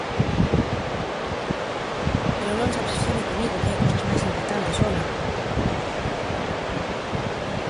Pero non se obsesione comigo, que hai cousas máis importantes, ¡home!